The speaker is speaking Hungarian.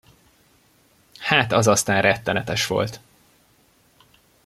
Hát az aztán rettenetes volt!